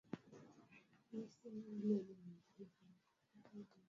wanaweza kusambaza virusi vya tetekuwanga